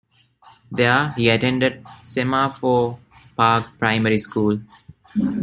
There, he attended Semaphore Park Primary School.